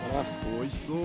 おいしそう！